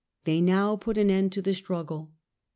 They now put an end to the struggle.